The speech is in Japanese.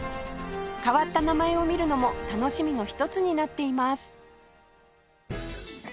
変わった名前を見るのも楽しみの一つになっています